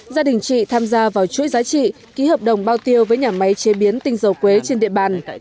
gia đình chị tham gia vào chuỗi giá trị ký hợp đồng bao tiêu với nhà máy chế biến tinh dầu quế trên địa bàn